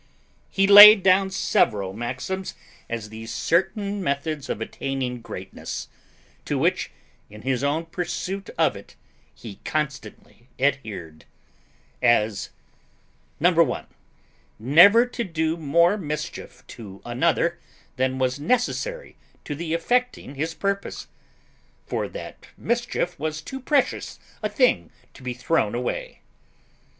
He laid down several maxims as the certain methods of attaining greatness, to which, in his own pursuit of it, he constantly adhered. As 1. Never to do more mischief to another than was necessary to the effecting his purpose; for that mischief was too precious a thing to be thrown away.